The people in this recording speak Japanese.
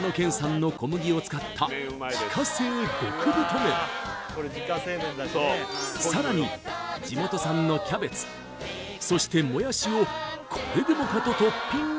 麺はさらに地元産のキャベツそしてもやしをこれでもかとトッピング